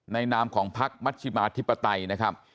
ในนามของภักดิ์มันชิมภาษาอธิปไตยนะครับ